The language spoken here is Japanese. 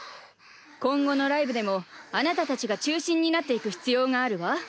今後のライブでもあなたたちが中心になっていく必要があるわ。